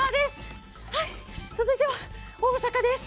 続いては大阪です。